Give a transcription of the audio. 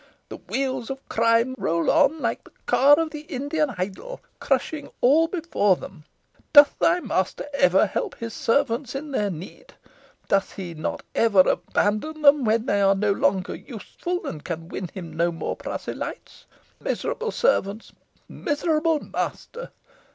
The wheels Of crime roll on like the car of the Indian idol, crushing all before them. Doth thy master ever help his servants in their need? Doth he not ever abandon them when they are no longer useful, and can win him no more proselytes? Miserable servants miserable master!